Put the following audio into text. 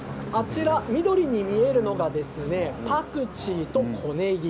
緑に見えるのがパクチーと小ねぎ。